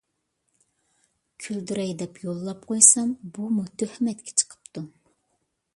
كۈلدۈرەي دەپ يوللاپ قويسام بۇمۇ تۆھمەتكە چىقىپتۇ.